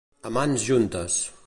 A mans juntes.